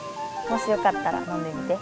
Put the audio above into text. もしよかったらのんでみて。